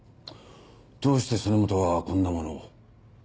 どうして曽根本はこんなものを？